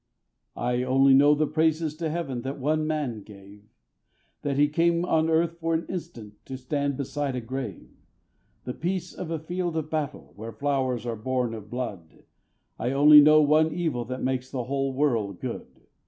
I only know the praises to heaven that one man gave, That he came on earth for an instant, to stand beside a grave, The peace of a field of battle, where flowers are born of blood. I only know one evil that makes the whole world good.